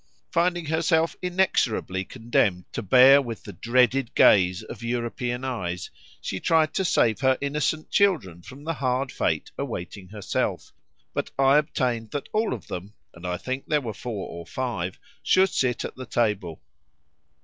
Finding herself inexorably condemned to bear with the dreaded gaze of European eyes, she tried to save her innocent children from the hard fate awaiting herself, but I obtained that all of them (and I think there were four or five) should sit at the table.